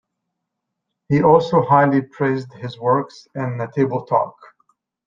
He also highly praised his works in the Table Talk.